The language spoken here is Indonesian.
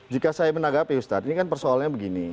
jika saya menanggapi ustadz ini kan persoalannya begini